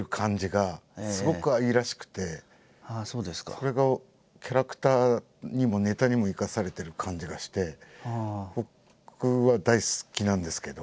それがキャラクターにもネタにも生かされている感じがして僕は大好きなんですけど。